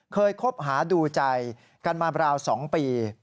คบหาดูใจกันมาราว๒ปี